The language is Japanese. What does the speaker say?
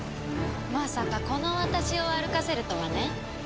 まさかこの私を歩かせるとはね。